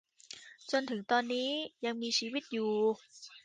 จนถึงตอนนี้ยังมีชีวิตอยู่